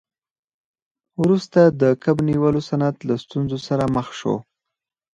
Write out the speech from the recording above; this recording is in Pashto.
وروسته د کب نیولو صنعت له ستونزو سره مخ شو.